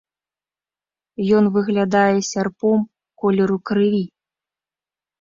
Ён выглядае сярпом колеру крыві.